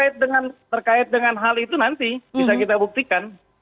terkait dengan hal itu nanti bisa kita buktikan